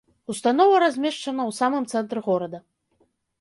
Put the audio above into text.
Установа размешчана ў самым цэнтры горада.